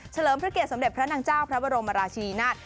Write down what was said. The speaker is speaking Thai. เลิมพระเกียรสมเด็จพระนางเจ้าพระบรมราชินีนาฏ